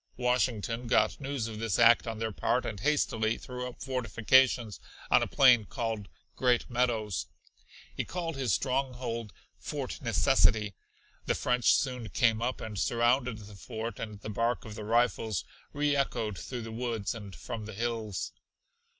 Washington got news of this act on their part, and hastily threw up fortifications on a plain called Great Meadows. He called this stronghold Fort Necessity. The French soon came up and surrounded the fort, and the bark of the rifles reechoed through the woods and from the hills.